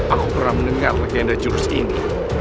aku pernah mendengar legenda jurus ini